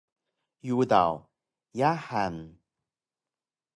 Yudaw: Yahan!